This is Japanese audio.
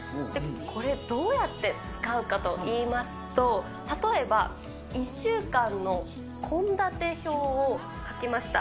これ、どうやって使うかといいますと、例えば、１週間の献立表を書きました。